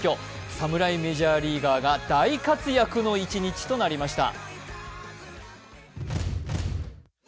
侍メジャーリーガーが大活躍の一日となりました。